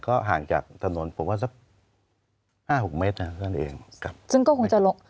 ก็ห่างจากถนนผมว่าสักห้าหกเมตรเท่านั้นเองครับซึ่งก็คงจะลง